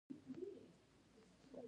ژمی د افغانستان طبعي ثروت دی.